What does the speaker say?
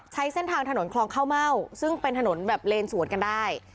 ใช้เส้นทางถนนคลองข้าวเม่าซึ่งเป็นถนนแบบเลนสวนกันได้